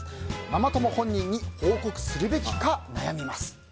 ママ友本人に報告するべきか悩みます。